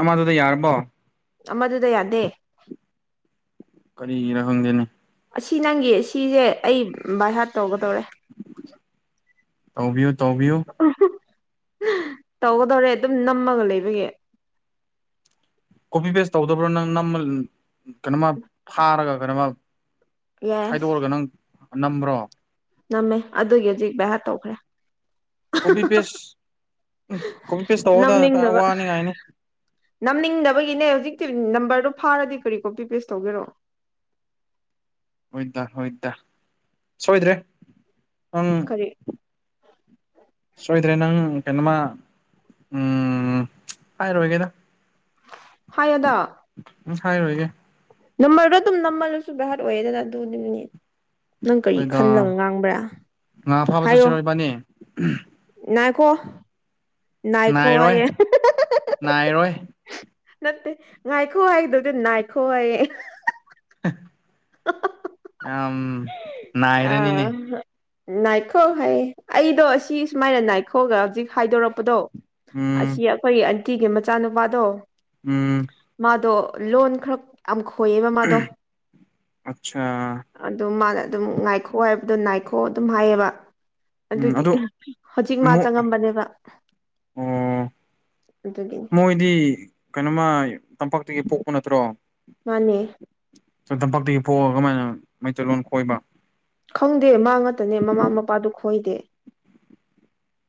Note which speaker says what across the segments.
Speaker 1: ꯑꯃꯗꯨꯗ ꯌꯥꯔꯕꯣ
Speaker 2: ꯑꯃꯗꯨꯗ ꯌꯥꯗꯦ
Speaker 1: ꯀꯔꯤꯔ ꯈꯪꯗꯦꯅꯦ
Speaker 2: ꯑꯁꯤ ꯅꯪꯒꯤ ꯁꯤꯁꯦ ꯑꯩ ꯕꯥꯏ ꯍꯥꯠ ꯇꯧꯒꯗꯧꯔꯦ
Speaker 1: ꯇꯧꯕꯤꯌꯣ ꯇꯧꯕꯤꯌꯣ
Speaker 2: ꯇꯧꯒꯗꯧꯔꯦ ꯑꯗꯨꯝ ꯅꯝꯃꯒ ꯂꯩꯕꯒꯤ
Speaker 1: ꯀꯣꯄꯤ ꯕꯦꯁ ꯇꯧꯗꯕ꯭ꯔꯣ ꯅꯪ ꯅꯃ ꯀꯩꯅꯣꯃ ꯊꯥꯔꯒ ꯀꯩꯅꯣꯃ
Speaker 2: ꯌꯦꯁ
Speaker 1: ꯈꯗꯣꯛꯔꯒ ꯅꯪ ꯅꯝꯕ꯭ꯔꯣ
Speaker 2: ꯅꯝꯃꯦ ꯑꯗꯨꯒꯤ ꯍꯧꯖꯤꯛ ꯚꯦꯌꯥꯔ ꯇꯧꯈ꯭ꯔꯦ
Speaker 1: ꯀꯣꯕꯤ ꯄꯁ ꯎꯝ ꯀꯣꯕꯤ ꯄꯦꯁ ꯇꯧꯑꯣꯗ
Speaker 2: ꯅꯝꯅꯤꯡꯗꯕ
Speaker 1: ꯋꯥꯅꯤꯉꯥꯏꯅꯤ
Speaker 2: ꯅꯝꯅꯤꯡꯗꯕꯒꯤꯅꯦ ꯍꯧꯖꯤꯛꯇꯤ ꯅꯝꯕꯔꯗꯨ ꯐꯥꯔꯗꯤ ꯀꯔꯤ ꯀꯣꯄꯤ ꯄꯦꯁ ꯇꯧꯒꯦꯔꯛꯑꯣ
Speaker 1: ꯍꯣꯏꯇꯥ ꯍꯣꯏ ꯏꯇꯥ ꯁꯣꯏꯗ꯭ꯔꯦ ꯑꯪ
Speaker 2: ꯀꯔꯤ
Speaker 1: ꯁꯣꯏꯗ꯭ꯔꯦꯅꯪ ꯀꯩꯅꯃ ꯎꯝ ꯍꯥꯏꯔ ꯑꯣꯏꯒꯦꯗ
Speaker 2: ꯍꯥꯏꯌꯦꯗ
Speaker 1: ꯎ ꯍꯔ ꯑꯣꯏꯒꯦ
Speaker 2: ꯅꯃꯜꯗꯣ ꯑꯗꯨꯝ ꯅꯝꯃꯜꯂꯁꯨ ꯚꯥꯏꯍꯠ ꯑꯣꯏꯌꯦꯦꯗꯅ ꯑꯗꯨꯅꯦ ꯅꯪ ꯀꯔꯤ
Speaker 1: ꯍꯣꯏꯗ
Speaker 2: ꯈꯟꯂ ꯉꯥꯡꯕ꯭ꯔꯥ
Speaker 1: ꯉꯥ ꯐꯥꯕ ꯆꯠꯆꯔꯣꯏꯕꯅꯤ
Speaker 2: ꯅꯥꯏꯈꯣ
Speaker 1: ꯅꯥꯏꯔꯣꯏ
Speaker 2: ꯅꯥꯏꯈꯣꯦ
Speaker 1: ꯅꯥꯏꯔꯣꯏ
Speaker 2: ꯅꯠꯇꯦ ꯉꯥꯏꯈꯣ ꯍꯥꯏꯗ ꯉꯏꯈꯣꯦ [inaudible]
Speaker 1: ꯎ ꯅꯥꯥꯏꯔꯅꯤꯅꯦ
Speaker 2: ꯑꯥ ꯅꯥꯏꯈꯣ ꯍꯥꯏꯌꯦ ꯑꯩꯗꯣ ꯁꯤ ꯁꯨꯃꯥꯏꯅ ꯅꯥꯏꯈꯣꯒ ꯍꯧꯖꯤꯛ ꯍꯥꯏꯗꯣꯔꯛꯄꯗꯣ ꯑꯁꯤ
Speaker 1: ꯎꯝ
Speaker 2: ꯑꯩꯈꯣꯏꯒꯤ ꯑꯟꯇꯤꯒꯤ ꯃꯆꯥꯅꯨꯄꯥꯗꯣ
Speaker 1: ꯎꯝ
Speaker 2: ꯑꯗꯣ ꯂꯣꯟ ꯈꯔ ꯑꯃ
Speaker 1: ꯑꯆꯥ
Speaker 2: ꯑꯗꯨꯝ ꯃꯥꯅ ꯑꯗꯨꯝ ꯉꯥꯏꯈꯣ ꯍꯥꯏꯕꯗꯣ ꯉꯥꯏꯈꯣ ꯑꯗꯨꯝ ꯍꯥꯏꯌꯦꯕ
Speaker 1: ꯎꯝ
Speaker 2: ꯑꯗꯨꯒꯤ
Speaker 1: ꯑꯗꯨ
Speaker 2: ꯍꯧꯖꯤꯛ ꯃꯥ
Speaker 1: ꯑꯃꯨꯛ
Speaker 2: ꯆꯪꯉꯝꯕꯅꯦꯕ
Speaker 1: ꯑꯣ
Speaker 2: ꯑꯗꯨꯒꯤꯅꯤ
Speaker 1: ꯃꯣꯏꯗꯤ ꯀꯩꯅꯣꯃ ꯇꯝꯄꯥꯛꯇꯒꯤ ꯄꯣꯛꯄ ꯅꯠꯇ꯭ꯔꯣ
Speaker 2: ꯃꯥꯅꯦ
Speaker 1: ꯇꯝꯄꯥꯛꯛꯇꯒꯤ ꯐꯣꯛꯑꯒ ꯀꯃꯥꯏꯅ ꯃꯩꯇꯩꯂꯣꯟ ꯀꯣꯏꯕ
Speaker 2: ꯍꯣꯏꯗꯦ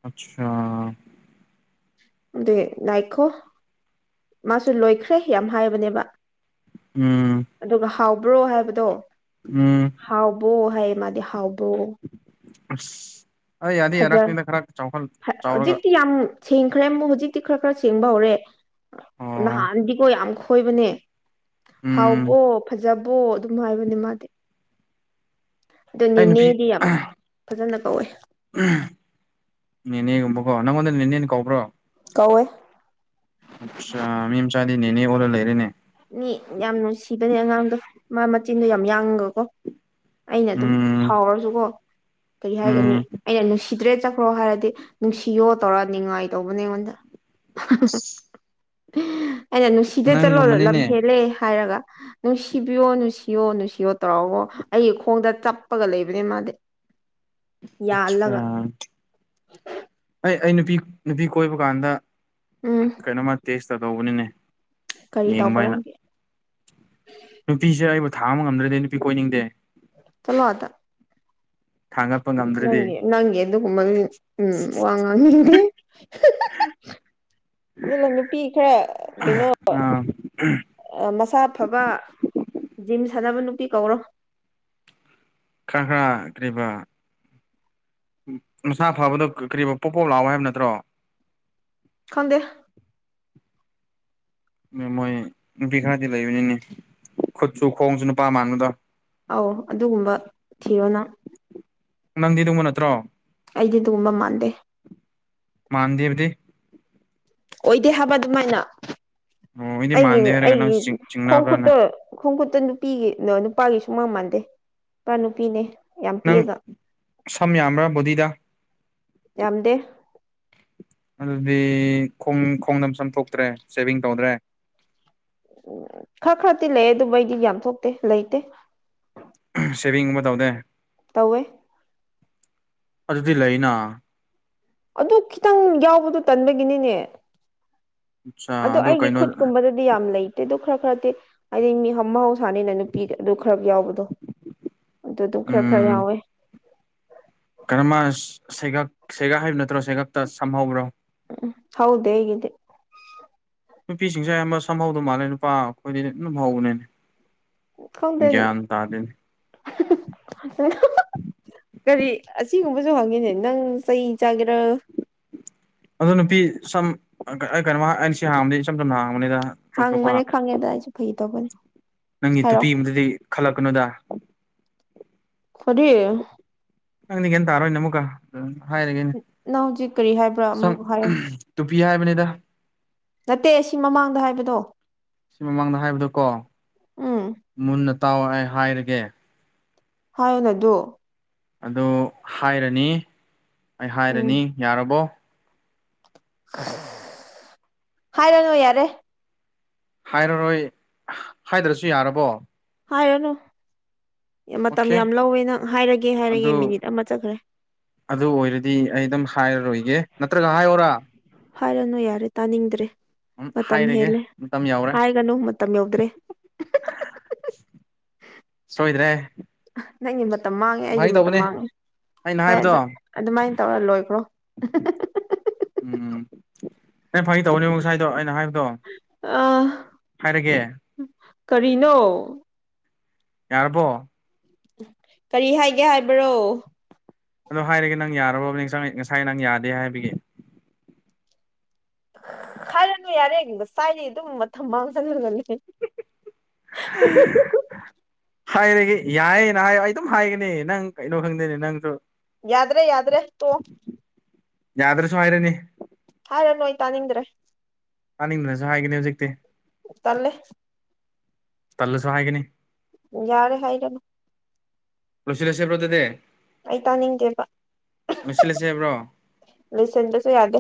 Speaker 1: ꯑꯆꯥ
Speaker 2: ꯑꯗꯨꯗꯤ ꯅꯥꯏꯈꯣ ꯃꯥꯁꯨ ꯂꯣꯏꯈ꯭ꯔꯦ ꯌꯥꯝ ꯍꯥꯏꯕꯅꯦꯕ
Speaker 1: ꯎꯝ
Speaker 2: ꯑꯗꯨꯒ ꯍꯥꯎꯕ꯭ꯔꯣ ꯍꯥꯏꯕꯗꯣ
Speaker 1: ꯎꯝ
Speaker 2: ꯍꯥꯎꯕ꯭ꯔꯣ ꯍꯥꯏꯌꯦ ꯃꯥꯗꯤ ꯍꯥꯎꯕ꯭ꯔꯣ
Speaker 1: ꯑꯁ ꯑꯩ ꯌꯥꯗꯦ ꯑꯔꯛꯅꯤꯅ ꯈꯔ ꯆꯥꯎꯈꯠ ꯆꯥꯎꯔꯒ
Speaker 2: ꯍꯧꯖꯤꯛꯇꯤ ꯌꯥꯝ ꯁꯦꯡꯈ꯭ꯔꯦ ꯑꯃꯨꯛ ꯍꯧꯖꯤꯛꯇꯤ ꯈꯔ ꯈꯔ ꯁꯦꯡꯕ ꯍꯧꯔꯦ
Speaker 1: ꯑꯣ
Speaker 2: ꯅꯍꯥꯟꯗꯤꯀꯣ ꯌꯥꯝ ꯈꯣꯏꯕꯅꯦ
Speaker 1: ꯎꯝ
Speaker 2: ꯍꯥꯎꯕꯣ ꯐꯖꯕꯣ ꯑꯗꯨꯝ ꯍꯥꯏꯕꯅꯦ ꯃꯥꯗꯤ ꯑꯗꯣ
Speaker 1: ꯑ ꯅꯨꯄꯤ
Speaker 2: ꯅꯦꯅꯦꯗꯤ ꯌꯥꯝ ꯐꯖꯅ ꯀꯧꯋꯦ
Speaker 1: ꯅꯦꯅꯦꯒꯨꯝꯕꯀꯣ ꯅꯪꯉꯣꯟꯗ ꯅꯦꯅꯦ ꯀꯧꯕ꯭ꯔꯣ
Speaker 2: ꯀꯧꯋꯏ
Speaker 1: ꯑꯆꯥ ꯃꯤ ꯃꯆꯥꯗꯤꯅꯦꯅꯦ ꯑꯣꯂ ꯂꯩꯔꯦꯅꯦ
Speaker 2: ꯃꯤ ꯌꯥꯝ ꯅꯨꯡꯁꯤꯕꯅꯦ ꯑꯉꯥꯡꯗꯣ ꯃꯥ ꯃꯆꯤꯟꯗꯣ ꯌꯥꯝ ꯌꯥꯡꯒꯀꯣ ꯑꯩꯅ ꯑꯗꯨꯝ
Speaker 1: ꯎꯝ
Speaker 2: ꯁꯥꯎꯔꯁꯨꯀꯣ ꯀꯔꯤ ꯍꯥꯏꯒꯅꯤ
Speaker 1: ꯎꯝ
Speaker 2: ꯑꯩꯅ ꯅꯨꯡꯁꯤꯗ꯭ꯔꯦ ꯆꯠꯈ꯭ꯔꯣ ꯍꯥꯏꯔꯗꯤ ꯅꯨꯡꯁꯤꯌꯣ ꯇꯧꯔꯅꯤꯡꯉꯥꯏ ꯇꯧꯕꯅꯦ ꯑꯩꯉꯣꯟꯗ ꯑꯩꯅ ꯅꯨꯡꯁꯤꯗ ꯆꯠꯂꯣ ꯂꯝ
Speaker 1: ꯅꯪꯒꯨꯝꯕꯅꯤꯅꯦ
Speaker 2: ꯍꯦꯜꯂꯦ ꯍꯥꯏꯔꯒ ꯅꯨꯡꯁꯤꯕꯤꯌꯣ ꯅꯨꯡꯁꯤꯌꯣ ꯅꯨꯡꯁꯤꯌꯣ ꯇꯧꯔꯥꯛꯕꯣ ꯑꯩꯒꯤ ꯈꯣꯡꯗ ꯆꯞꯄꯒ ꯂꯩꯕꯅꯦ ꯃꯥꯗꯤ
Speaker 1: ꯑꯆꯥ
Speaker 2: ꯌꯥꯜꯂꯒ
Speaker 1: ꯑꯩ ꯑꯩ ꯅꯨꯄꯤ ꯅꯨꯄꯤ ꯀꯣꯏꯕ ꯀꯥꯟꯗ
Speaker 2: ꯎꯝ
Speaker 1: ꯀꯩꯅꯣꯃ ꯇꯦꯁ ꯇꯗꯧꯕꯅꯤꯅꯦ
Speaker 2: ꯀꯔꯤ ꯇꯧꯕꯔꯛꯒꯦ
Speaker 1: ꯊꯥ ꯑꯃ ꯉꯝꯗ꯭ꯔꯗꯤ ꯅꯨꯄꯤ ꯀꯣꯏꯅꯤꯡꯗꯦ
Speaker 2: ꯆꯂꯣ ꯑꯗ
Speaker 1: ꯊꯥꯡꯒꯠꯄ
Speaker 2: ꯅꯪ
Speaker 1: ꯉꯝꯗ꯭ꯔꯗꯤ
Speaker 2: ꯅꯪꯦ ꯑꯗꯨꯒ ꯀ ꯃ ꯎꯝ ꯋꯥꯉꯗꯤ ꯑꯗꯨꯅ ꯅꯨꯄꯤ ꯈꯔ ꯀꯩꯅꯣ
Speaker 1: ꯑꯥ
Speaker 2: ꯃꯁꯥ ꯐꯕ ꯖꯤꯝ ꯁꯥꯟꯅꯕ ꯅꯨꯄꯤ ꯀꯧꯔꯣ
Speaker 1: ꯈꯔꯍꯈ꯭ꯔꯤꯕ ꯃꯁꯥ ꯐꯕꯗꯣ ꯀꯔꯤꯨꯝ ꯄꯣꯞ ꯄꯣꯞ ꯂꯥꯛꯑꯣ ꯍꯥꯏꯕ ꯅꯠꯇ꯭ꯔꯣ
Speaker 2: ꯈꯪꯗꯦ
Speaker 1: ꯃꯣꯏ ꯅꯨꯄꯤ ꯈꯔꯗꯤ ꯂꯩꯕꯅꯤꯅꯦ ꯈꯨꯠꯁꯨ ꯈꯣꯡꯁꯨ ꯅꯨꯄꯥ ꯃꯥꯟꯕꯗꯣ
Speaker 2: ꯑꯧ ꯑꯗꯨꯒꯨꯝꯕ ꯊꯤꯔꯣꯅ
Speaker 1: ꯅꯪꯗꯤ ꯅꯣꯡꯃ ꯅꯠꯇ꯭ꯔꯣ
Speaker 2: ꯑꯩꯗꯤ ꯑꯗꯨꯒꯨꯝꯕ ꯃꯥꯟꯗꯦ
Speaker 1: ꯃꯥꯡꯗꯦꯕꯗꯤ
Speaker 2: ꯑꯣꯏꯗꯦ ꯍꯥꯏꯕ ꯑꯗꯨꯃꯥꯏꯅ
Speaker 1: ꯑꯣ ꯑꯩꯗꯤ
Speaker 2: ꯑꯩꯒꯤ
Speaker 1: ꯃꯥꯟꯗꯦ ꯍꯥꯏꯔꯒ ꯅꯪ
Speaker 2: ꯑꯩꯒꯤ ꯈꯨꯣ
Speaker 1: ꯆꯤꯡꯅꯕ꯭ꯔꯅ
Speaker 2: ꯈꯨꯨꯠꯇꯣ ꯈꯨꯣ ꯈꯨꯨꯠ ꯑꯇ ꯅꯨꯄꯤꯒꯤ ꯅꯨꯄꯥꯒꯤꯁꯨ ꯃꯥꯟ ꯃꯥꯟꯗꯦ ꯅꯨꯄꯥ ꯅꯨꯄꯤꯅꯦ ꯌꯥꯝ
Speaker 1: ꯅꯪ
Speaker 2: ꯄꯤꯛꯑꯒ
Speaker 1: ꯁꯝ ꯌꯥꯝꯕ꯭ꯔꯥ ꯕꯣꯗꯤꯗ
Speaker 2: ꯌꯥꯝꯗꯦ
Speaker 1: ꯑꯗꯨꯗꯤ ꯈꯣꯡ ꯈꯣꯡꯗ ꯆꯝ ꯊꯣꯛꯣꯛꯇ꯭ꯔꯦ ꯁꯦꯚꯤꯡ ꯇꯧꯗ꯭ꯔꯦ
Speaker 2: ꯎꯝ ꯈꯔ ꯈꯔꯗꯤꯤ ꯂꯩ ꯑꯗꯨ ꯃꯩꯗꯤ ꯌꯥꯝ ꯊꯣꯛꯇꯦ ꯂꯩꯇꯦ
Speaker 1: ꯁꯦꯚꯤꯡꯒꯨꯝꯕ ꯇꯧꯗꯦ
Speaker 2: ꯇꯧꯋꯦ
Speaker 1: ꯑꯗꯨꯗꯤ ꯂꯩꯅꯥ
Speaker 2: ꯑꯗꯨ ꯈꯤꯇꯪ ꯌꯥꯎꯕꯗꯣ ꯇꯟꯕꯒꯤꯅꯤꯅꯦ
Speaker 1: ꯑꯠꯆꯥ
Speaker 2: ꯑꯗꯨ ꯑꯩꯒꯤ
Speaker 1: ꯀꯩꯅꯣ
Speaker 2: ꯈꯨꯠꯀꯨꯝꯕꯗꯗꯤ ꯌꯥꯝ ꯂꯩꯇꯦ ꯑꯗꯨ ꯈꯔ ꯈꯔꯗꯤ ꯍꯥꯏꯗꯤ ꯃꯤ ꯊꯅꯤꯅ ꯅꯨꯄꯤ ꯑꯗꯨ ꯈꯔ ꯌꯥꯎꯕꯗꯣ ꯑꯗꯨ ꯑꯗꯨꯝ ꯈꯔ ꯈꯔ ꯌꯥꯎꯋꯦ
Speaker 1: ꯀꯔꯝꯕ ꯁꯩꯒ ꯁꯩꯒꯛ ꯍꯥꯏꯕ ꯅꯠꯇ꯭ꯔꯣ ꯁꯩꯒꯛꯇ ꯁꯝꯍꯧꯕ꯭ꯔꯣ
Speaker 2: ꯍꯥꯎꯗ ꯍꯦꯒꯗꯤ
Speaker 1: ꯅꯨꯄꯤꯁꯤꯡꯁꯦ ꯑꯌꯥꯝꯕ ꯁꯝꯍꯧꯗꯧ ꯃꯥꯜꯂꯦ ꯅꯨꯄꯥ ꯑꯩꯈꯣꯏꯗꯤ ꯂꯝꯍꯧꯕꯅꯦꯅꯦ
Speaker 2: ꯈꯥꯎꯗꯅꯤ ꯀꯔꯤ ꯑꯁꯤꯒꯨꯝꯕꯁꯨ ꯍꯪꯉꯤꯅꯦ ꯅꯪ ꯆꯩ ꯆꯥꯒꯦꯔ
Speaker 1: ꯑꯗꯣ ꯅꯨꯄꯤ ꯁꯝ ꯑꯩ ꯀꯩꯅꯣ ꯑꯩꯅ ꯁꯤ ꯍꯥꯡꯕꯗꯤ ꯏꯁꯝ ꯁꯝꯅ ꯍꯥꯡ
Speaker 2: ꯈꯪ ꯃꯅꯦ ꯈꯪꯉꯦ ꯇꯥꯏꯖ ꯐꯩ ꯇꯅꯤ
Speaker 1: ꯅꯪꯒꯤ ꯇꯨꯄꯤ ꯑꯃꯗꯗꯤ ꯈꯜꯂꯛꯀꯅꯨꯗ
Speaker 2: ꯐꯔꯤ
Speaker 1: ꯅꯪꯗꯤ ꯒꯦꯟ ꯇꯥꯔꯣꯏꯅꯦ ꯑꯃꯨꯛꯀ ꯍꯥꯏꯔꯒꯦꯅꯦ
Speaker 2: ꯅꯪ ꯍꯧꯖꯤꯛ ꯀꯔꯤ ꯍꯥꯏꯕ꯭ꯔꯥ
Speaker 1: ꯁꯝ
Speaker 2: ꯑꯃꯨꯛ ꯍꯥꯏꯌꯣ
Speaker 1: ꯄꯤ ꯍꯥꯏꯕꯅꯤꯗ
Speaker 2: ꯅꯠꯇꯦ ꯁꯤ ꯃꯃꯥꯡꯗ ꯍꯥꯏꯕꯗꯣ
Speaker 1: ꯁꯤ ꯃꯃꯥꯡꯗ ꯍꯥꯏꯕꯗꯨ ꯀꯣ
Speaker 2: ꯎꯝ
Speaker 1: ꯇꯥꯎ ꯑꯩ ꯍꯥꯏꯔꯒꯦ
Speaker 2: ꯍꯥꯏꯅꯗꯨꯣ
Speaker 1: ꯑꯗꯨ ꯍꯥꯏꯔꯅꯤ ꯑꯩ
Speaker 2: ꯎꯝ
Speaker 1: ꯍꯥꯏꯔꯅꯤ ꯌꯥꯔꯕꯣ
Speaker 2: ꯍꯥꯏꯔꯅꯨ ꯌꯥꯔꯦ
Speaker 1: ꯍꯥꯏꯔꯔꯣꯏ ꯍꯥꯏꯗ꯭ꯔꯁꯨ ꯌꯥꯔꯕꯣ
Speaker 2: ꯍꯥꯏꯔꯅꯨ ꯃꯇꯝ
Speaker 1: ꯑꯣꯀꯦ
Speaker 2: ꯌꯥꯝ ꯂꯧꯋꯦ ꯅꯪ ꯍꯥꯏꯔꯒꯦ ꯍꯥꯏꯔꯒꯦ
Speaker 1: ꯑꯗꯨ
Speaker 2: ꯃꯤꯅꯤꯠ ꯑꯃ ꯆꯠꯈ꯭ꯔꯦ
Speaker 1: ꯑꯗꯨ ꯑꯣꯏꯔꯗꯤ ꯑꯩ ꯑꯗꯨꯝ ꯍꯥꯏꯔꯔꯣꯏꯒꯦ ꯅꯠꯇ꯭ꯔꯒ ꯍꯥꯏꯌꯔꯥ
Speaker 2: ꯍꯥꯏꯔꯅꯨ ꯌꯥꯔꯦ ꯇꯥꯅꯤꯡꯗ꯭ꯔꯦ ꯃꯇꯝ
Speaker 1: ꯍꯥꯏꯔꯒꯦ
Speaker 2: ꯍꯦꯜꯂꯦ
Speaker 1: ꯃꯇꯝ ꯌꯧꯔꯦ
Speaker 2: ꯍꯥꯏꯒꯅꯨ ꯃꯇꯝ ꯌꯧꯗ꯭ꯔꯦ
Speaker 1: ꯁꯣꯏꯗ꯭ꯔꯦ
Speaker 2: ꯅꯪꯒꯤ ꯃꯇꯝ ꯃꯥꯡꯉꯦ ꯑꯩꯒꯤ
Speaker 1: ꯐꯥꯒꯤ
Speaker 2: ꯃꯇꯝ
Speaker 1: ꯇꯧꯕꯅꯦ
Speaker 2: ꯃꯥꯡꯉꯦ
Speaker 1: ꯑꯩꯅ
Speaker 2: ꯍꯣꯏ ꯑꯗꯨ
Speaker 1: ꯍꯥꯏꯕꯗꯣ
Speaker 2: ꯑꯗꯨꯃꯥꯏꯅ ꯇꯧꯔ ꯂꯣꯏꯈ꯭ꯔꯣ
Speaker 1: ꯎꯝ ꯑ ꯐꯪꯉꯤ ꯇꯧꯅꯦꯕ ꯉꯁꯥꯏꯗꯣ ꯑꯩꯅ ꯍꯥꯏꯕꯗꯣ
Speaker 2: ꯑ
Speaker 1: ꯍꯥꯏꯔꯒꯦ
Speaker 2: ꯀꯔꯤꯅꯣ
Speaker 1: ꯌꯥꯔꯔꯕꯣ
Speaker 2: ꯀꯔꯤ ꯍꯥꯏꯒꯦ ꯍꯥꯏꯕ꯭ꯔꯣ
Speaker 1: ꯑꯗꯣ ꯍꯥꯏꯔꯒꯦ ꯅꯪ ꯌꯥꯔꯕꯕꯅꯤ ꯉꯁꯥꯏ ꯅꯪ ꯌꯥꯗꯦ ꯍꯥꯏꯕꯒꯤꯦ
Speaker 2: ꯈꯥꯏꯔꯅꯨ ꯌꯥꯔꯦꯗ ꯆꯥꯏꯔꯤ ꯑꯗꯨꯝ ꯃꯇꯝ ꯃꯥꯡꯍꯜꯂꯒꯅꯤ [unintelligible]
Speaker 1: ꯍꯥꯏꯔꯒꯦ ꯌꯥꯏꯌꯦꯅ ꯍꯥꯏ ꯑꯩ ꯑꯗꯨꯝ ꯍꯥꯏꯒꯅꯤ ꯅꯪ ꯀꯩꯅꯣ ꯈꯪꯗꯦꯅꯦ ꯅꯪꯁꯨ
Speaker 2: ꯌꯥꯗ ꯔꯦ ꯌꯥꯗ ꯔꯦ ꯇꯣ
Speaker 1: ꯌꯥꯗꯔ ꯁ ꯍꯥꯏꯔꯅꯤ
Speaker 2: ꯌꯥꯔ ꯅꯣꯣꯏꯇꯥꯅꯤꯗ꯭ꯔꯦ
Speaker 1: ꯇꯥꯅꯤꯡꯗꯅꯁꯨ ꯍꯥꯏꯒꯅꯤ ꯍꯧꯖꯤꯛꯇꯤ
Speaker 2: ꯇꯂꯦ
Speaker 1: ꯇꯂꯁꯨ ꯍꯥꯏꯒꯅꯤ
Speaker 2: ꯌꯥꯔꯦ ꯍꯥꯏ ꯀꯅ
Speaker 1: ꯔꯁꯤ ꯂꯁꯕꯗꯗ
Speaker 2: ꯑꯩ ꯇꯥꯅꯤꯡꯗꯦꯕ
Speaker 1: ꯂꯣꯏꯁꯤꯜꯂꯁꯦ ꯕ꯭ꯔꯣ
Speaker 2: ꯂꯁꯟꯗꯁꯨ ꯌꯥꯗ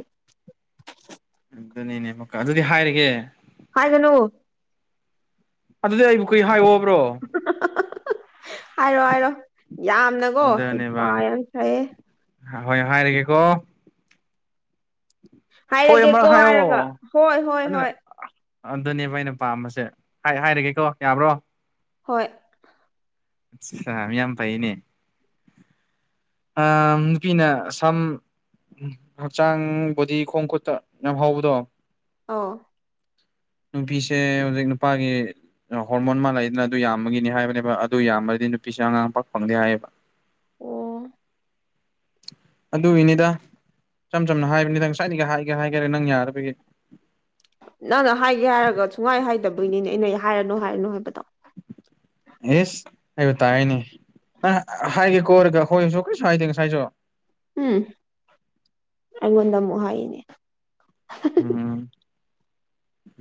Speaker 1: ꯑꯗꯨꯅꯤꯅꯦ ꯑꯃꯨꯀ ꯑꯗꯨꯗꯤ ꯍꯥꯏꯔꯒꯦ
Speaker 2: ꯍꯥꯏꯥꯏꯗꯅꯣ
Speaker 1: ꯑꯗꯨꯗꯤ ꯑꯩꯕꯨ ꯀꯨꯏ ꯍꯥꯏꯋꯕ꯭ꯔꯣ
Speaker 2: ꯍꯥꯏꯔꯣ ꯍꯥꯏꯔꯣ ꯌꯥꯝꯅꯀꯣ ꯏꯄꯥ
Speaker 1: ꯑꯗꯨꯅꯦꯕ
Speaker 2: ꯌꯥꯝ ꯁꯥꯏꯑꯦ
Speaker 1: ꯍꯣꯏ ꯍꯥꯏꯔꯒꯦꯀꯣ ꯍꯣꯏ
Speaker 2: ꯍꯥꯏꯔꯒꯦ ꯀꯣ
Speaker 1: ꯑꯃꯔꯛ ꯍꯥꯏꯌꯣ
Speaker 2: ꯍꯥꯏꯔꯒ ꯍꯣꯏ ꯍꯣꯏ
Speaker 1: ꯑꯗꯨꯅ
Speaker 2: ꯍꯣꯏ
Speaker 1: ꯑꯗꯨꯅꯦꯕ ꯑꯩꯅ ꯄꯥꯝꯕꯁꯦ ꯍꯥꯏꯔꯒꯦꯀꯣ ꯌꯥꯕ꯭ꯔꯣ
Speaker 2: ꯍꯣꯏ
Speaker 1: ꯃꯤ ꯌꯥꯝ ꯐꯩꯅꯦ ꯑ ꯄꯅ ꯁꯝ ꯎꯝ ꯍꯛꯆꯥꯡ ꯕꯣꯗꯤ ꯈꯣꯡ ꯈꯨꯠꯇ ꯌꯥꯝ ꯍꯧꯕꯗꯣ
Speaker 2: ꯑꯥ
Speaker 1: ꯅꯨꯄꯤꯁꯦ ꯍꯧꯖꯤꯛ ꯅꯨꯄꯥꯒꯤ ꯍꯣꯔꯃꯣꯟ ꯃꯥꯜꯂꯗꯅ ꯑꯗꯨ ꯌꯥꯝꯕꯒꯤꯅꯤ ꯍꯥꯏꯕꯅꯦꯕ ꯑꯗꯨ ꯌꯥꯝꯃꯗꯤ ꯅꯨꯄꯤꯁ ꯑꯉꯥꯡ ꯄꯛ ꯐꯪꯗꯤꯦ ꯍꯥꯏꯌꯦꯕ
Speaker 2: ꯑꯣ
Speaker 1: ꯑꯗꯨꯒꯤꯅꯤꯗ ꯏꯁꯝ ꯁꯝꯅ ꯍꯥꯏꯕꯅꯤꯗꯪ ꯁ꯭ꯋꯥꯏꯒꯤ ꯍꯥꯏꯒꯦ ꯍꯥꯏꯈꯔꯦ ꯅꯪ ꯌꯥꯔꯕꯒꯤ
Speaker 2: ꯅꯪꯅ ꯍꯥꯏꯒꯦ ꯍꯥꯏꯔꯒ ꯁꯨꯡꯍꯥꯏ ꯍꯥꯏꯗꯕꯒꯤꯅꯤꯅꯦ ꯑꯩꯅ ꯍꯥꯏꯔꯅꯨ ꯍꯥꯏꯔꯅꯨ ꯍꯥꯏꯕꯗꯣ
Speaker 1: ꯏꯁ ꯑꯩꯕꯨ ꯇꯥꯏꯅꯦ ꯍꯥꯏꯒꯦ ꯀꯣꯔꯒ ꯑꯩꯣꯏꯁꯨ ꯀꯔꯤꯁꯨ ꯍꯥꯏꯗꯦ ꯉꯁꯥꯏꯁꯨ
Speaker 2: ꯎꯝ ꯑꯩꯉꯣꯟꯗꯨꯛ ꯍꯥꯏꯅꯦ
Speaker 1: ꯎꯝ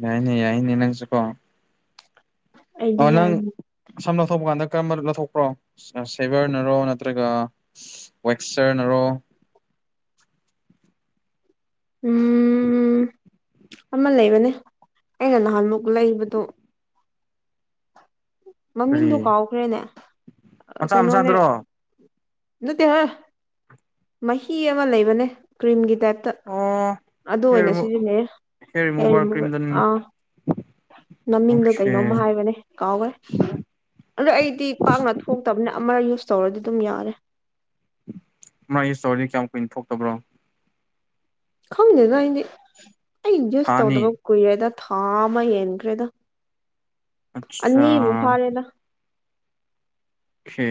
Speaker 1: ꯌꯥꯏꯅꯦ ꯌꯥꯏꯅꯤꯅꯁꯨꯀꯣ
Speaker 2: ꯑꯩꯗꯤ
Speaker 1: ꯑꯣ ꯅꯪ
Speaker 2: ꯌꯥꯅꯤ
Speaker 1: ꯁꯝꯅ ꯂꯧꯊꯣꯛꯄ ꯀꯥꯟꯗ ꯀꯔꯝꯕ ꯂꯧꯊꯣꯛꯄ꯭ꯔꯣ ꯁꯦꯕꯔꯅꯔꯣ ꯅꯠꯇ꯭ꯔꯒ ꯋꯦꯛꯆꯔꯅꯔꯣ
Speaker 2: [unintelligible] ꯎꯝ ꯑꯃ ꯂꯩꯕꯅꯦ ꯑꯩꯅ ꯅꯍꯥꯟꯃꯨꯛ ꯂꯩꯕꯗꯣ ꯃꯃꯤꯡꯗꯨꯣ
Speaker 1: ꯀꯔꯤ
Speaker 2: ꯀꯥꯎꯈ꯭ꯔꯦꯅꯦ
Speaker 1: ꯃꯆꯥ ꯃꯆꯥꯗꯨ꯭ꯔꯣ
Speaker 2: ꯅꯠꯇꯦ ꯍ ꯃꯍꯤ ꯑꯃ ꯂꯩꯕꯅꯦ ꯀ꯭ꯔꯤꯝꯒꯤ ꯦ
Speaker 1: ꯑꯣ
Speaker 2: ꯑꯗꯨ
Speaker 1: ꯍꯦꯌꯔ
Speaker 2: ꯑꯣꯏꯅ
Speaker 1: ꯔꯤꯃꯨ
Speaker 2: ꯁꯤꯖꯤꯟꯅꯩ
Speaker 1: ꯍꯦꯌꯔ
Speaker 2: ꯀ
Speaker 1: ꯔꯤꯃꯨꯚꯔ ꯀ꯭ꯔꯤꯝꯗꯨꯅꯤ
Speaker 2: ꯑꯥ ꯃꯃꯤꯡꯗꯣ ꯀꯩꯅꯣꯝ
Speaker 1: ꯑꯣꯀꯦ
Speaker 2: ꯍꯥꯏꯕꯅꯦ ꯌꯥꯈꯦ ꯑꯗ ꯑꯩꯗꯤ ꯄꯥꯛꯅ ꯊꯣꯛꯇꯕꯅ ꯑꯃ ꯌꯨꯁ ꯇꯧꯔꯗꯤ ꯑꯗꯨꯝ ꯌꯥꯔꯦ
Speaker 1: ꯃꯥꯒꯤ ꯏꯁꯇꯣꯔꯗꯤ ꯀꯌꯥꯝ ꯀꯨꯏꯅ ꯊꯣꯛꯇꯕ꯭ꯔꯣ
Speaker 2: ꯈꯪꯗꯦꯅ ꯑꯩꯗꯤ ꯑꯩ
Speaker 1: ꯊꯥ
Speaker 2: ꯖꯨꯁ
Speaker 1: ꯑꯅꯤ
Speaker 2: ꯇꯧꯗꯕ ꯀꯨꯏꯔꯦꯗ ꯊꯥ ꯑꯃ ꯍꯟꯈ꯭ꯔꯦꯗ
Speaker 1: ꯑꯠꯆꯥ
Speaker 2: ꯑꯅꯤꯃꯨꯛ
Speaker 1: ꯑꯣꯀꯦ
Speaker 2: ꯐꯥꯔꯦꯗ
Speaker 1: ꯑꯣ ꯀꯦ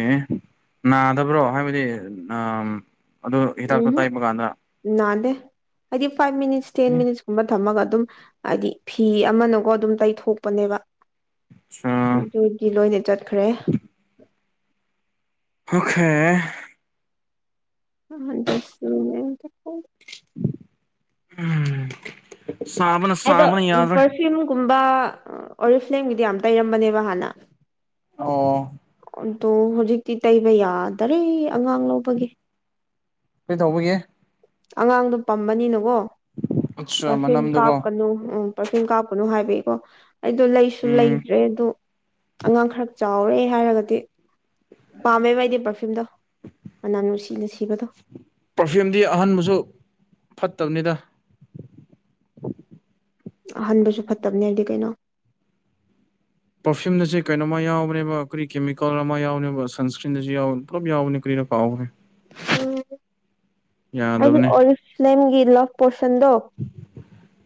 Speaker 1: ꯅꯥꯗꯕ꯭ꯔꯣ ꯍꯥꯏꯕꯗꯤ ꯎ ꯑꯗꯨ ꯍꯤꯗꯥꯛꯇ ꯇꯥꯏꯕ ꯀꯥꯟꯗ
Speaker 2: ꯑꯗꯤ ꯐꯥꯏꯕꯚ ꯃ ꯃꯤꯅꯤꯠꯁ ꯇꯦꯟ ꯃ ꯃꯤꯅꯤꯠꯁ ꯀꯨꯝꯔ ꯊꯝꯃꯒ ꯑꯗꯨꯝ ꯍꯥꯏꯗꯤ ꯐꯤ ꯑꯃꯅꯒ ꯑꯗꯨꯝ ꯇꯩꯊꯣꯛꯄꯅꯦꯕ
Speaker 1: ꯑꯠꯆꯥ
Speaker 2: ꯑꯗꯨꯗꯤ ꯂꯣꯏꯅ ꯆꯠꯈ꯭ꯔꯦ
Speaker 1: ꯑꯣꯈꯦ
Speaker 2: ꯑ
Speaker 1: ꯎꯝ ꯁꯥꯕꯅ
Speaker 2: ꯑꯗꯣ
Speaker 1: ꯁꯥꯕꯅ ꯌꯥꯗ꯭ꯔꯦ
Speaker 2: ꯄꯔꯐ꯭ꯌꯨꯝꯒꯨꯝꯕ ꯑꯣꯔꯤꯐ ꯂꯦꯡꯕꯤꯗꯤ ꯌꯥꯝ ꯇꯩꯔꯝꯕꯅꯦꯕ ꯍꯥꯟꯅ
Speaker 1: ꯑꯣ
Speaker 2: ꯑꯗꯣ ꯍꯧꯖꯤꯛꯇꯤ ꯇꯩꯕ ꯌꯥꯗꯔꯦ ꯑꯉꯥꯡ ꯂꯧꯕꯒꯤ
Speaker 1: ꯀꯩ ꯇꯧꯕꯒꯤ
Speaker 2: ꯑꯉꯥꯡꯗꯣ ꯄꯝꯕꯅꯤꯅꯀꯣ
Speaker 1: ꯑꯠꯆꯥ
Speaker 2: ꯄꯔꯐ꯭ꯌꯨꯝ
Speaker 1: ꯃꯅꯝꯗꯨꯀꯣ
Speaker 2: ꯀꯥꯞꯀꯅꯨ ꯎꯝ ꯄꯥꯔꯐꯤꯌꯨꯝ ꯀꯥꯞꯀꯅꯨ ꯍꯥꯏꯕꯀꯣ ꯑꯩꯗꯣ ꯂꯩꯁꯨ
Speaker 1: ꯎꯝ
Speaker 2: ꯂꯩꯇ꯭ꯔꯦ ꯑꯗꯨꯗ ꯑꯉꯥꯡ ꯈꯔ ꯆꯥꯎ ꯌꯥꯥꯎꯔꯦ ꯍꯥꯏꯔꯒꯗꯤ ꯄꯥꯝꯃꯦꯕ ꯑꯩꯗꯤ ꯄꯔꯐꯤꯌꯨꯝꯗꯣ ꯃꯅꯥ ꯅꯨꯡꯁꯤꯅ ꯁꯤꯕꯗꯣ
Speaker 1: ꯄꯔꯐ꯭ꯌꯨꯝꯗꯤ ꯑꯍꯟꯕꯁꯨ ꯐꯠꯇꯕꯅꯤꯗ
Speaker 2: ꯑꯍꯟꯕꯁꯨ ꯐꯠꯇꯕꯅꯦ ꯍꯥꯏꯗꯤ ꯀꯩꯅꯣ
Speaker 1: ꯄꯔꯐꯤꯌꯨꯝꯗꯁꯨ ꯀꯩꯅꯣ ꯑꯃ ꯌꯥꯎꯕꯅꯦꯕ ꯑꯩꯈꯣꯏ ꯀꯦꯃꯤꯀꯦꯜ ꯑꯃ ꯌꯥꯎꯅꯦꯕ ꯁꯟꯁꯀꯔꯤꯟꯗꯁꯨ ꯌꯥꯎ ꯄꯨꯂꯞ ꯌꯥꯎꯕꯅꯦ ꯀ ꯀꯥꯎꯒꯦ
Speaker 2: ꯎ ꯑꯩ
Speaker 1: ꯌꯥꯗꯕꯅꯦ
Speaker 2: ꯑꯔꯁꯂꯝꯒꯤ ꯂ ꯄꯣ ꯁꯟꯗꯣ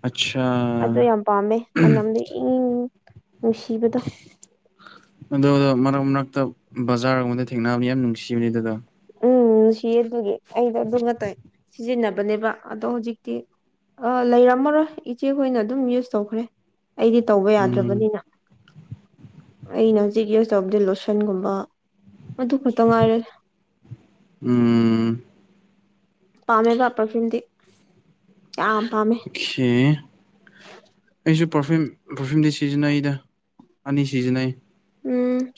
Speaker 1: ꯑꯠꯁꯥ
Speaker 2: ꯑꯗꯨ ꯌꯥꯝ ꯄꯥꯝꯃꯦ ꯃꯅꯝꯗꯤ ꯏꯪꯪ
Speaker 1: ꯑ ꯃꯔꯛ ꯃꯔꯛ ꯕꯖꯥꯔꯒꯝꯗ ꯊꯦꯡꯅꯕꯅꯤ ꯌꯥꯝ ꯅꯨꯡꯁꯤꯕꯅꯦ ꯑꯗꯨꯗ
Speaker 2: ꯎꯝꯅꯨꯡ ꯁꯤ ꯑꯗꯨꯒꯤ ꯑꯩꯗꯣ ꯑꯗꯨ ꯉ ꯇꯥꯏ ꯁꯤꯖꯤꯟꯅꯕꯅꯦꯕ ꯑꯗꯣ ꯍꯧꯖꯤꯛꯇꯤ ꯑ ꯂꯩꯔꯝꯃꯔꯣꯏ ꯏꯆꯦꯈꯣꯏꯅ ꯑꯗꯨꯝ ꯌꯨꯁ ꯇꯧꯈ꯭ꯔꯦ ꯑꯩꯗꯤ ꯇꯧꯕ
Speaker 1: ꯎꯝ
Speaker 2: ꯌꯥꯗ꯭ꯔꯕꯅꯤꯅ ꯑꯩꯅ ꯍꯧꯖꯤꯛ ꯌꯨꯁ ꯇꯧꯕꯗꯤ ꯂꯨꯁꯟꯒꯨꯝꯕ ꯑꯗꯨ ꯈꯛꯇ ꯉꯥꯏꯔꯁ
Speaker 1: ꯎꯝ
Speaker 2: ꯄꯥꯝꯃꯦꯕ ꯄꯔꯐ꯭ꯌꯨꯝꯗꯤ ꯌꯥꯝ ꯄꯥꯝꯃꯦ
Speaker 1: ꯍꯦ ꯑꯩꯁꯨ ꯄꯔꯐꯤꯌꯨꯝ ꯄꯔꯐ꯭ꯌꯨꯝꯗꯤ ꯁꯤꯖꯤꯟꯅꯩꯗ ꯑꯅꯤ ꯁꯤꯖꯤꯟꯅꯩ
Speaker 2: ꯎꯝ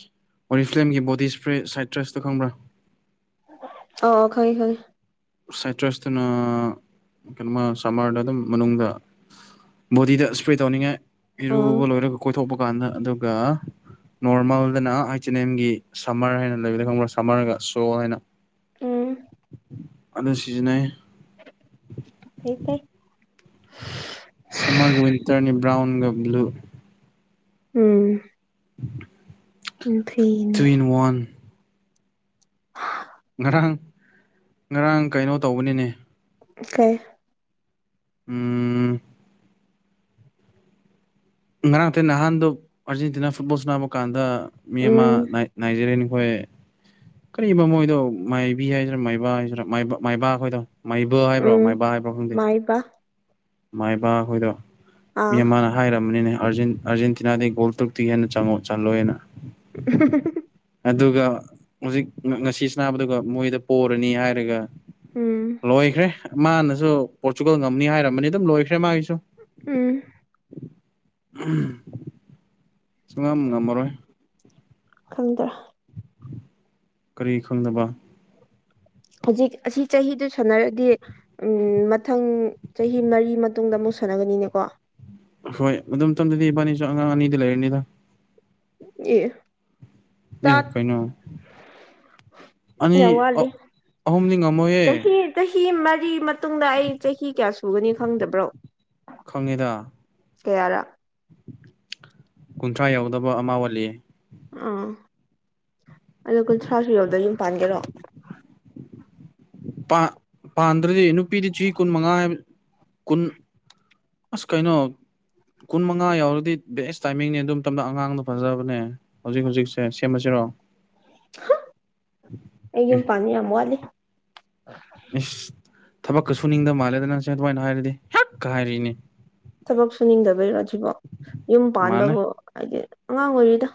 Speaker 1: ꯑꯣꯔꯤꯁꯒꯤ ꯕꯣꯗꯤ ꯏꯁꯄ꯭ꯔꯦ ꯁꯥꯏꯇ꯭ꯔꯁꯇꯣ ꯈꯪꯕ꯭ꯔꯥ
Speaker 2: ꯑ ꯈꯩ ꯈꯩ
Speaker 1: ꯁꯥꯏꯇ꯭ꯔꯁꯇꯨꯅ ꯀꯩꯅꯣꯃ ꯁꯝꯃꯔꯗ ꯑꯗꯨꯝ ꯃꯅꯨꯡꯗ ꯕꯣꯗꯤꯗ ꯏꯁꯄ꯭ꯔꯦ ꯇꯧꯅꯤꯡꯉꯥꯏ
Speaker 2: ꯑꯣ
Speaker 1: ꯏꯔꯨꯕ ꯂꯣꯏꯔꯒ ꯀꯣꯏꯊꯣꯛꯄ ꯀꯥꯟꯗ ꯑꯗꯨꯒ ꯅꯣꯔꯃꯦꯜꯗꯅ ꯑꯩꯆ ꯑꯦꯟ ꯑꯦꯝꯒꯤ ꯁꯝꯃꯔ ꯍꯥꯏꯅ ꯂꯩꯕꯗ ꯈꯪꯕ꯭ꯔꯥ ꯁꯝꯃꯔꯒ ꯁꯣ ꯍꯥꯏꯅ
Speaker 2: ꯎꯝ
Speaker 1: ꯑꯗꯨ ꯁꯤꯖꯤꯟꯅꯩ
Speaker 2: ꯍ ꯇ
Speaker 1: ꯁꯃꯔꯒ ꯟꯇꯔꯅꯤ ꯭ꯔꯥꯎꯟꯒ ꯭ꯂꯨ
Speaker 2: ꯎꯝ ꯎ ꯐꯤꯅꯦ
Speaker 1: ꯇꯨ ꯏꯟ ꯋꯥꯟ ꯉꯔꯥꯡ ꯉꯔꯥꯡ ꯀꯩꯅꯣ ꯇꯧꯕꯅꯤꯅꯦ
Speaker 2: ꯀꯥꯏ
Speaker 1: ꯎꯝ ꯉꯔꯥꯡ ꯅꯊ ꯅꯍꯥꯟꯗꯣ ꯑꯥꯔꯖꯦꯟꯇꯤꯅꯥ ꯐꯨꯠꯕꯣꯜ ꯁꯅꯕ ꯀꯥꯟꯗ ꯃꯤ ꯑꯃ
Speaker 2: ꯎꯝ
Speaker 1: ꯅꯥꯏꯖꯦꯔꯤꯌꯥꯅꯤ ꯑꯩꯈꯣꯏ ꯀꯔꯤꯨꯝ ꯃꯣꯏꯗꯣ ꯃꯥꯏꯕꯤ ꯍꯥꯏꯁꯤꯔꯥ ꯃꯥꯏꯕ ꯍꯥꯏꯁꯤꯔꯥ ꯃꯥꯏꯕ ꯑꯩꯈꯣꯏꯗꯣ ꯃꯥꯏꯕ ꯍꯥꯏꯕ꯭ꯔꯣ
Speaker 2: ꯎꯝ
Speaker 1: ꯃꯥꯏꯕ ꯍꯥꯏꯕ꯭ꯔꯣ ꯈꯪꯗꯦ
Speaker 2: ꯃꯥꯏꯕ
Speaker 1: ꯃꯥꯏꯕ ꯑꯩꯈꯣꯏꯗꯣ ꯃꯤ
Speaker 2: ꯑꯥ
Speaker 1: ꯑꯃꯅ ꯍꯥꯏꯔꯝꯕꯅꯤꯅꯦ ꯑꯥꯔꯖꯦꯟꯇꯤꯅꯥꯗꯒꯤ ꯒꯣꯜ ꯇꯔꯨꯛꯇꯤ ꯍꯦꯟꯅ ꯆꯪꯉꯣ ꯆꯜꯂꯣꯏꯦꯅ
Speaker 2: [inaudible]
Speaker 1: ꯍꯧꯖꯤꯛ ꯉꯁꯤꯅꯥꯕꯗꯨꯒ ꯃꯣꯏꯗ ꯄꯔꯅꯤ ꯍꯥꯏꯔꯒ
Speaker 2: ꯎꯝ
Speaker 1: ꯂꯣꯏꯈ꯭ꯔꯦ ꯃꯥꯅꯁꯨ ꯄꯣꯔꯆꯨꯒꯜ ꯉꯝꯅꯤ ꯍꯥꯏꯔꯝꯃꯅꯤ ꯑꯗꯨꯝ ꯂꯣꯏꯈ꯭ꯔꯦ ꯃꯥꯒꯤꯁꯨ
Speaker 2: ꯎꯝ
Speaker 1: ꯁꯉ ꯉ ꯃꯣꯏ
Speaker 2: ꯈꯟꯗ꯭ꯔ
Speaker 1: ꯀꯔꯤ ꯈꯪꯅꯕ
Speaker 2: [inaudible] ꯍꯧꯖꯤꯛ ꯑꯁꯤ ꯆꯍꯤꯗꯨ ꯁꯥꯟꯅꯔꯗꯤ ꯎ ꯃꯊꯪ ꯆꯍꯤ ꯃꯔꯤ ꯃꯇꯨꯡꯗ ꯑꯃꯨꯛ ꯁꯥꯟꯔ ꯒꯅꯤꯅꯦꯀꯣ
Speaker 1: ꯍꯣꯏ ꯑꯗꯨꯝ ꯃꯇꯝꯗꯨꯗꯤ ꯏꯕꯥꯅꯤꯁꯨ ꯑꯉꯥꯡ ꯑꯅꯤꯗꯤ ꯂꯩꯔꯅꯤꯗ
Speaker 2: ꯌꯦ
Speaker 1: ꯑꯦꯈꯣꯏꯅ
Speaker 2: ꯌꯥ ꯋꯥꯂꯤ
Speaker 1: ꯑꯍꯨꯝꯗꯤ ꯉꯝꯃꯣꯏꯌꯦ
Speaker 2: ꯆꯍꯤ ꯃꯔꯤ ꯃꯇꯨꯡꯗ ꯑꯩ ꯆꯍꯤ ꯀꯌꯥ ꯁꯨꯒꯅꯤ ꯈꯪꯗꯕ꯭ꯔꯣ
Speaker 1: ꯈꯪꯉꯦꯗ
Speaker 2: ꯀꯌꯥꯔ
Speaker 1: ꯀꯨꯟꯊ꯭ꯔꯥ ꯌꯥꯎꯗꯕ ꯑꯃ ꯋꯥꯜꯂꯤ
Speaker 2: ꯑꯥ ꯑꯗꯣ ꯀꯨꯟꯊ꯭ꯔꯥꯁꯨ ꯌꯧꯗ ꯌꯨꯝ ꯄꯥꯟꯒꯦꯔꯣ
Speaker 1: ꯄꯥꯟꯗ꯭ꯔꯗꯤ ꯅꯨꯄꯤꯗꯤ ꯆꯍꯤ ꯀꯨꯟ ꯃꯉꯥ ꯀꯨꯟ ꯑꯁ ꯀꯥꯏꯩꯅꯣ ꯀꯨꯟ ꯃꯉꯥ ꯌꯥꯎꯔꯗꯤ ꯕꯦꯁ ꯇꯥꯏꯃꯤꯡꯅꯦ ꯑꯗꯨꯝ ꯇꯝꯗ ꯑꯉꯥꯡꯅ ꯐꯖꯕꯅꯦ ꯍꯧꯖꯤꯛ ꯍꯧꯖꯤꯛꯁꯦ ꯁꯦꯝꯃ [inaudible]
Speaker 2: ꯑꯩ ꯌꯨꯝ ꯄꯥꯅꯤ ꯌꯥꯝ ꯋꯥꯠꯂꯤ
Speaker 1: ꯏꯁꯁ ꯊꯕꯛꯀ ꯁꯨ ꯅꯤꯡꯗ ꯃꯥꯜꯂꯦꯗ ꯅꯪꯁꯦ ꯑꯗꯨꯃꯥꯏꯅ ꯍꯥꯏꯔꯗꯤ ꯀ ꯍꯥꯏꯔꯤꯛꯏꯅꯤ
Speaker 2: ꯊꯕꯛ ꯁꯨꯅꯤꯡꯗꯕꯩꯔꯣ ꯑꯁꯤꯕꯣ ꯌꯨꯝ
Speaker 1: ꯃꯥꯜꯂꯦ
Speaker 2: ꯄꯥꯟꯕꯕꯨ ꯍꯥꯏꯗꯤ ꯑꯉꯥꯡ ꯑꯣꯏꯔꯤꯗ